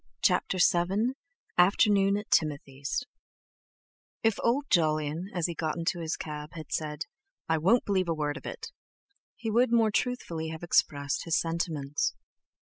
CHAPTER VII AFTERNOON AT TIMOTHY'S If old Jolyon, as he got into his cab, had said: "I won't believe a word of it!" he would more truthfully have expressed his sentiments.